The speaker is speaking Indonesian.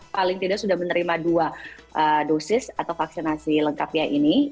paling tidak sudah menerima dua dosis atau vaksinasi lengkapnya ini